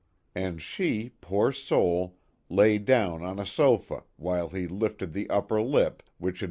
And she, poor soul, lay down on a sofa while he lifted the upper lip which had 94 A LONG HORROR.